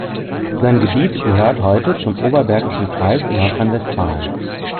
Sein Gebiet gehört heute zum Oberbergischen Kreis in Nordrhein-Westfalen.